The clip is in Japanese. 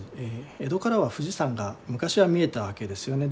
江戸からは富士山が昔は見えたわけですよね。